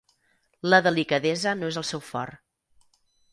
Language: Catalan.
La delicadesa no és el seu fort.